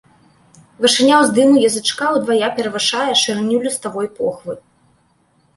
Вышыня ўздыму язычка ўдвая перавышае шырыню ліставой похвы.